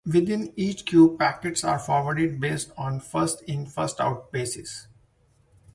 Within each queue, packets are forwarded based on First-In-First-Out basis.